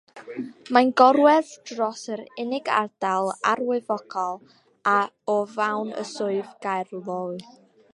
Mae'n gorwedd dros yr unig ardal arwyddocaol o fawn yn Swydd Gaerloyw.